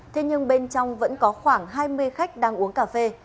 thế nhưng bên trong vẫn có khoảng hai mươi khách đang uống cà phê